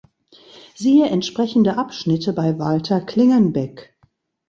Siehe entsprechende Abschnitte bei Walter Klingenbeck.